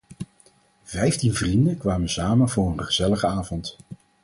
Vijftien vrienden kwamen samen voor een gezellige avond.